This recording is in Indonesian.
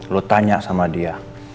lo tanya sama dia